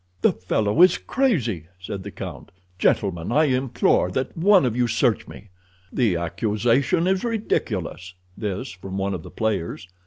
"The fellow is crazy," said the count. "Gentlemen, I implore that one of you search me." "The accusation is ridiculous." This from one of the players.